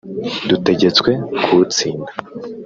dutegetswe kuwutsinda